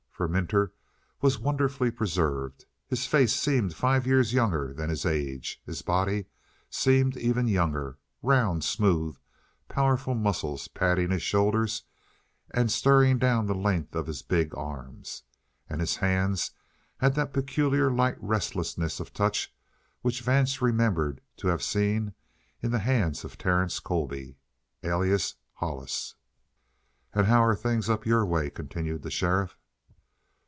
For Minter was wonderfully preserved. His face seemed five years younger than his age. His body seemed even younger round, smooth, powerful muscles padding his shoulders and stirring down the length of his big arms. And his hands had that peculiar light restlessness of touch which Vance remembered to have seen in the hands of Terence Colby, alias Hollis! "And how's things up your way?" continued the sheriff.